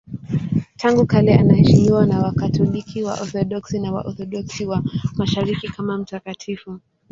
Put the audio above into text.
Tangu kale anaheshimiwa na Wakatoliki, Waorthodoksi na Waorthodoksi wa Mashariki kama mtakatifu.